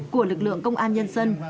của lực lượng công an nhân dân